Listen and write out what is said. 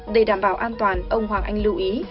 để đảm bảo an toàn ông hoàng anh lưu ý